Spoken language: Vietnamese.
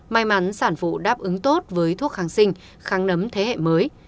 may mắn sản phụ đáp ứng tốt với thuốc kháng sinh kháng nấm thế hệ mới